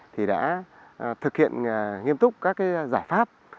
thì đã thực hiện nghiêm túc các giải pháp